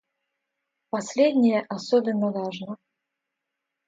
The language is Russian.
Последнее особенно важно.